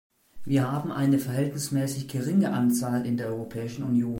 Wir haben eine verhältnismäßig geringe Anzahl in der Europäischen Union.